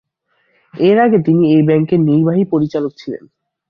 এর আগে তিনি এই ব্যাংকের নির্বাহী পরিচালক ছিলেন।